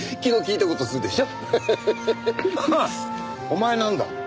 お前なんだ？